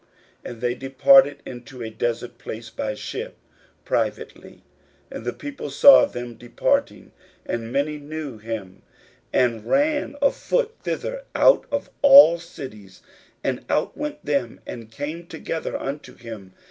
41:006:032 And they departed into a desert place by ship privately. 41:006:033 And the people saw them departing, and many knew him, and ran afoot thither out of all cities, and outwent them, and came together unto him.